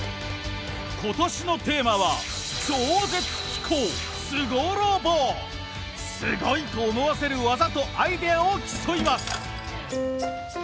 今年のテーマはすごいと思わせるワザとアイデアを競います。